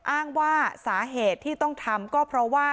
อ้างว่าสาเหตุที่ต้องทำก็เพราะว่า